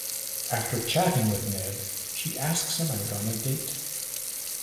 After chatting with Ned she asks him out on a date.